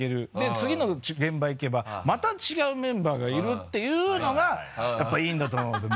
次の現場行けばまた違うメンバーがいるっていうのがやっぱりいいんだと思うんですよ